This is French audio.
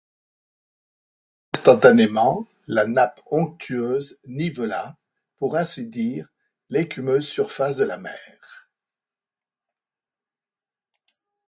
Instantanément, la nappe onctueuse nivela, pour ainsi dire, l’écumeuse surface de la mer.